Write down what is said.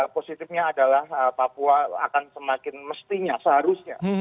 positifnya adalah papua akan semakin mestinya seharusnya